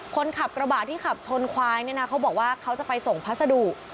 คนขับกระบะที่ขับชนควายเนี่ยนะเขาบอกว่าเขาจะไปส่งพัสดุ